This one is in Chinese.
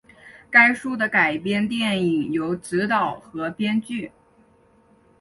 该书的改编电影由执导和编剧。